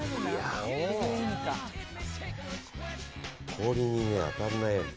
氷に当たらないように。